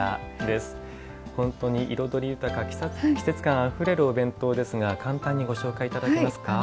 本当に彩り豊か季節感あふれるお弁当ですが、簡単にご紹介いただけますか？